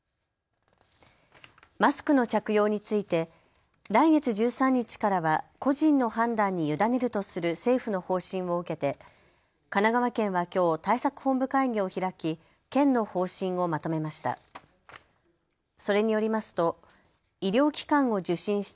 マスクの着用について来月１３日からは個人の判断に委ねるとする政府の方針を受けて神奈川県はきょう対策本部会議を開き県の方針をまとめました。